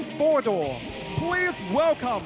สวัสดีครับสวัสดีครับ